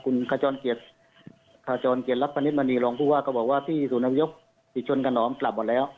คุณกระจรเกียรติรักพนิษฐ์มณีรองผู้ว่าก็บอกว่าที่ศูนยพศักดิ์ชนกระหนอมกลับหมดแล้ว